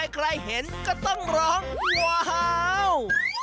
ใครเห็นก็ต้องร้องว้าว